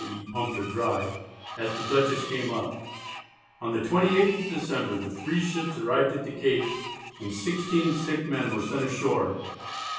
e. pumped her dry) as the Dutchess came up." On the 28th of December the three ships arrived at the Cape, and 16 sick men were sent ashore.